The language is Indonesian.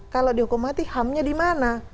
kalau dihukum mati ham nya di mana